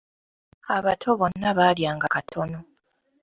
Abato bonna baalyanga katono.